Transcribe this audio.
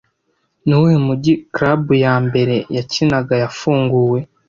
Nuwuhe mujyi club ya mbere yakinaga yafunguwe